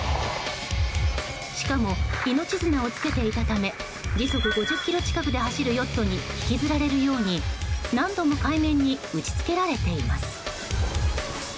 しかも、命綱をつけていたため時速５０キロ近くで走るヨットに引きずられるように、何度も海面に打ち付けられています。